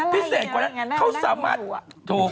พิเศษกว่านั้นเขาสามารถถูก